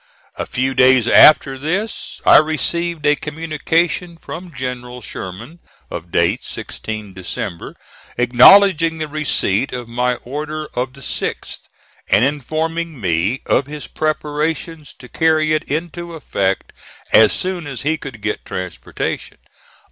A few days after this I received a communication from General Sherman, of date 16th December, acknowledging the receipt of my order of the 6th, and informing me of his preparations to carry it into effect as soon as he could get transportation.